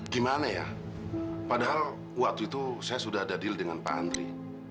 gimana ya padahal waktu itu saya sudah ada deal dengan pak andri